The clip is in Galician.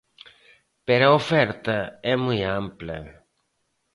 Pero a oferta é moi ampla.